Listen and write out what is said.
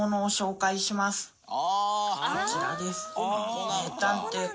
こちらです。